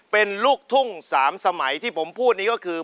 เป็นลูกทุ่ง๓สมัยที่ผมพูดนี้ก็คือ